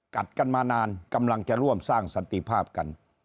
กัดกันมานานกำลังจะร่วมสร้างสันติภาพกัน